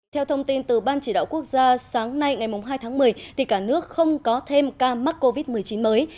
theo thông tin từ ban chỉ đạo quốc gia sáng nay ngày hai tháng một mươi cả nước không có thêm ca mắc covid một mươi chín mới